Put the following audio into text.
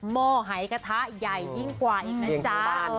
หม้อหายกระทะใหญ่ยิ่งกว่าอีกนะจ๊ะ